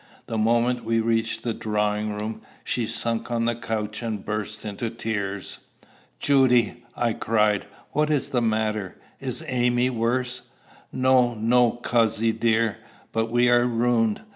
The moment we reached the drawing room, she sunk on the couch and burst into tears. "Judy!" I cried, "what is the matter? Is Amy worse?" "No, no, cozzy dear; but we are ruined.